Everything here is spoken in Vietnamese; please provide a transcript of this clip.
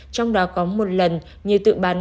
trong đó có một lần như tự bán